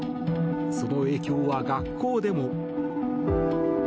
その影響は学校でも。